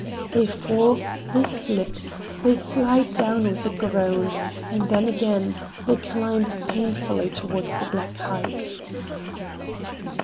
They fall, they slip, they slide down with a groan—and then again, they climb painfully toward the black height.